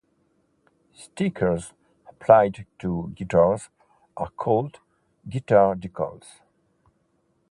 Stickers applied to guitars are called guitar decals.